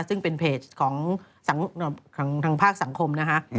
ซึ่งเป็นเพจของทางภาคสังคมนะฮะ